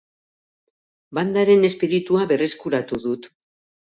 Bandaren espiritua berreskuratu dut.